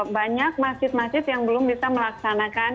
banyak masjid masjid yang belum bisa melaksanakan